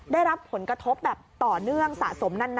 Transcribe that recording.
ได้รับผลกระทบแบบต่อเนื่องสะสมนาน